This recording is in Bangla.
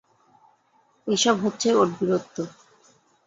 এই-সব হচ্ছে ওঁর বীরত্ব।